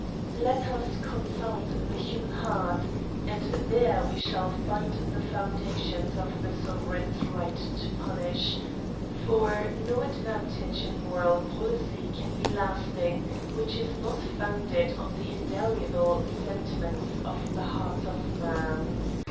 Let us consult the human heart, and there we shall find the foundation of the sovereign's right to punish , for no advantage in moral policy can be lasting which is not founded on the indelible sentiments of the heart of man.